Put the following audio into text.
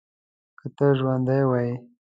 که ته ژوندی وای.